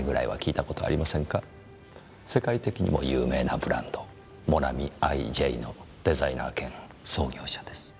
世界的にも有名なブランドモナミ・アイ・ジェイのデザイナー兼創業者です。